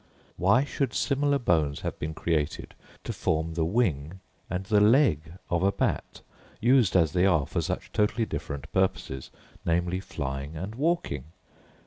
Why should similar bones have been created to form the wing and the leg of a bat, used as they are for such totally different purposes, namely flying and walking?